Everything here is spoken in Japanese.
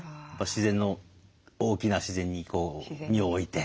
自然の大きな自然にこう身を置いて。